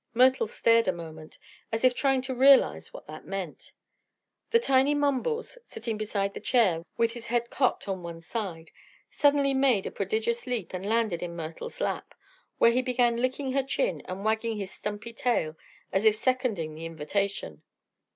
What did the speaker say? Myrtle stared a moment, as if trying to realize what that meant. The tiny Mumbles, sitting beside the chair with his head cocked to one side, suddenly made a prodigious leap and landed in Myrtle's lap, where he began licking her chin and wagging his stumpy tail as if seconding the invitation.